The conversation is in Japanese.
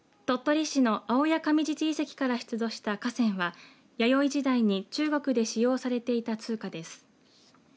鳥取市の青谷上地遺跡から出土した貨泉は弥生時代に中国で使用されていた通貨です。